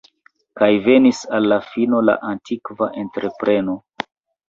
Kaj venis al la fino la antikva entrepreno.